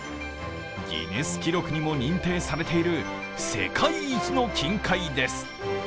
ギネス記録にも認定されている世界一の金塊です。